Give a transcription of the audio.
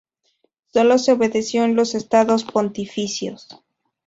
Solo se obedeció en los Estados Pontificios.